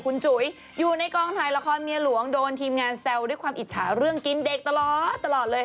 คุณจุ๋ยอยู่ในกองถ่ายละครเมียหลวงโดนทีมงานแซวด้วยความอิจฉาเรื่องกินเด็กตลอดตลอดเลย